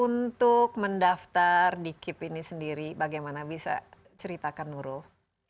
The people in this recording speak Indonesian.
untuk mendaftar di kip ini sendiri bagaimana bisa ceritakan nurul